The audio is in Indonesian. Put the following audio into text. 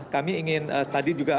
kami ingin tadi juga